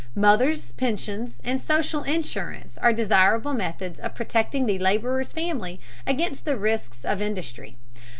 Mothers' pensions and social insurance are desirable methods of protecting the laborer's family against the risks of industry.